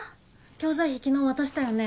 教材費きのう渡したよね？